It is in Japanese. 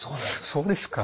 そうですか？